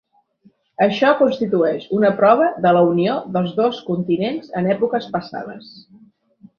Això constitueix una prova de la unió dels dos continents en èpoques passades.